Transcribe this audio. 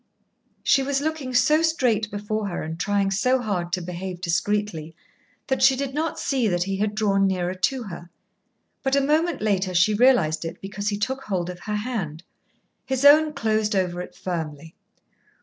She was looking so straight before her and trying so hard to behave discreetly that she did not see that he had drawn nearer to her. But a moment later she realised it, because he took hold of her hand. His own closed over it firmly.